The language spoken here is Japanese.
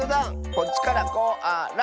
こっちから「こ・あ・ら」。